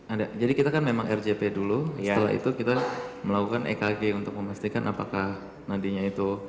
ada jadi kita kan memang rjp dulu setelah itu kita melakukan ekg untuk memastikan apakah nadinya itu